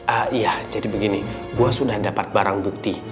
ah iya jadi begini gue sudah dapat barang bukti